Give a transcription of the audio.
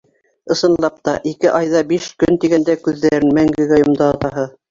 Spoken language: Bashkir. Ысынлап та, ике ай ҙа биш көн тигәндә күҙҙәрен мәңгегә йомдо атаһы.